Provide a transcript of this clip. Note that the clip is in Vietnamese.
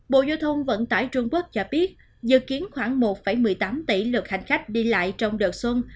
bộ giao thông vận tải trung quốc cho biết dự kiến khoảng một một mươi tám tỷ lượt hành khách đi lại trong đợt xuân